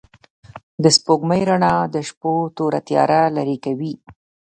د سپوږمۍ رڼا د شپو توره تياره لېرې کوي.